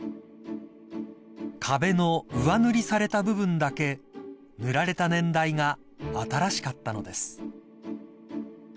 ［壁の上塗りされた部分だけ塗られた年代が新しかったのです］